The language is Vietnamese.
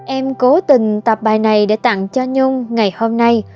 em cố tình tập bài này để tặng cho nhung ngày hôm nay